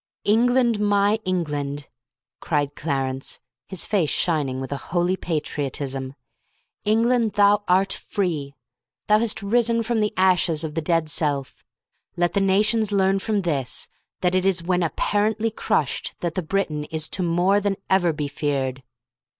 "England, my England!" cried Clarence, his face shining with a holy patriotism. "England, thou art free! Thou hast risen from the ashes of the dead self. Let the nations learn from this that it is when apparently crushed that the Briton is to more than ever be feared."